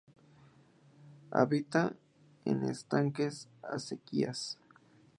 Habita en estanques y acequias.